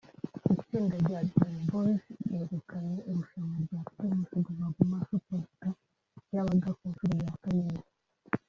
Itsinda rya Dream Boys yegukanye irushanwa rya Primus Guma Guma Super Star ryabaga ku nshuro ya karindwi